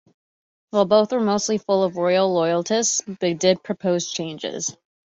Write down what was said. While both were mostly full of royal loyalists, they did propose changes.